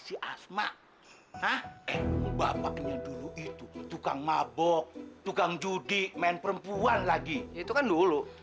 si asma eh bapaknya dulu itu tukang mabok tukang judi main perempuan lagi itu kan dulu